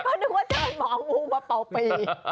เขานึกว่าจะเป็นหมองงูมาเป่าปี่